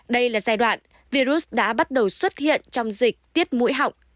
đây là giai đoạn virus đã bắt đầu xuất hiện trong dịch tiết mũi họng